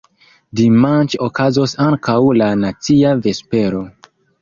Dimanĉe okazos ankaŭ la nacia vespero.